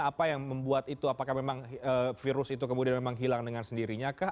apa yang membuat itu apakah memang virus itu kemudian memang hilang dengan sendirinya kah